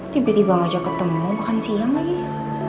tiba tiba gak jauh ketemu makan siang lagi ya